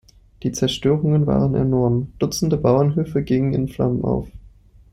Die Zerstörungen waren enorm, Dutzende Bauernhöfe gingen in Flammen auf.